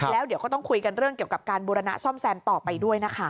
แล้วเดี๋ยวก็ต้องคุยกันเรื่องเกี่ยวกับการบูรณะซ่อมแซมต่อไปด้วยนะคะ